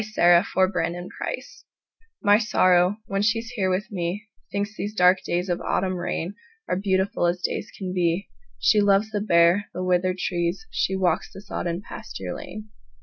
My November Guest MY Sorrow, when she's here with me, Thinks these dark days of autumn rainAre beautiful as days can be; She loves the bare, the withered tree; She walks the sodden pasture lane.